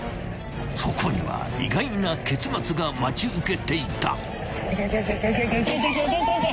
［そこには意外な結末が待ち受けていた！］